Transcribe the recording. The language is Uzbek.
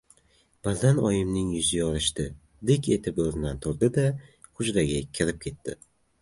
Birdan oyimning yuzi yorishdi. Dik etib o‘rnidan turdi-da, hujraga kirib ketdi.